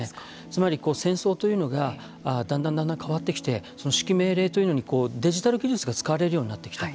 つまり、こう戦争というのがだんだん、だんだん変わってきてその指揮命令というのにこうデジタル技術が使われるようになってきた。